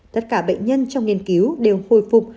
tất cả bệnh nhân trong nghiên cứu đều hồi phục